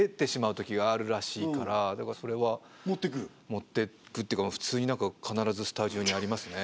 持っていくっていうか普通に何か必ずスタジオにありますね。